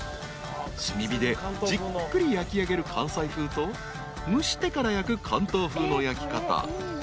［炭火でじっくり焼きあげる関西風と蒸してから焼く関東風の焼き方］